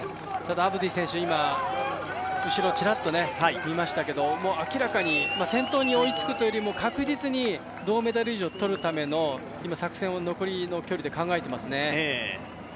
アブディ選手、今、後ろをちらっと見ましたけど明らかに先頭に追いつくというよりも確実に銅メダル以上を取るための作戦を残りの距離で考えていますね。